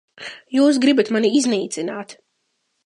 Jūs gribat mani iznīcināt.